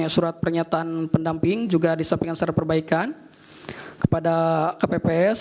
surat pernyataan pendamping juga disampaikan secara perbaikan kepada kpps